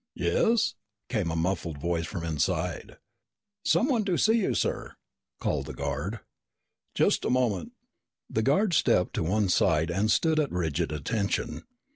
"Yes?" came a muffled voice from inside. "Someone to see you, sir," called the guard. "Just a moment." The guard stepped to one side and stood at rigid attention.